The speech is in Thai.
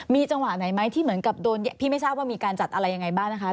มีจังหวะไหนไหมที่เหมือนกับโดนพี่ไม่ทราบว่ามีการจัดอะไรยังไงบ้างนะคะ